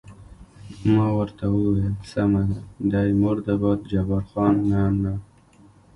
ما ورته وویل: سمه ده، دی مرده باد، جبار خان: نه، نه.